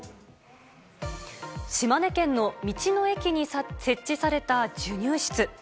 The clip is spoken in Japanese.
島根県の道の駅に設置された授乳室。